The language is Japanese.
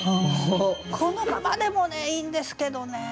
このままでもいいんですけどね。